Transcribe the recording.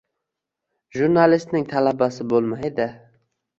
Jurnalistning talabasi bo`lmaydi